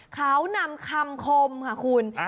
เขานำคำคมค่ะคุณ